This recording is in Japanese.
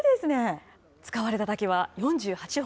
使われた竹は４８本。